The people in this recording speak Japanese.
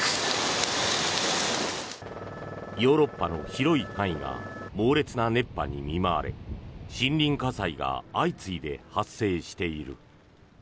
ヨーロッパの広い範囲が猛烈な熱波に見舞われ森林火災が相次いで発生している。